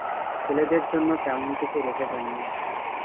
ছেলেমেয়েদের জন্য তেমন কিছু রেখে যাননি।